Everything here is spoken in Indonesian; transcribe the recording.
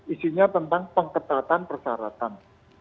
isinya tentang pengketatan persaratan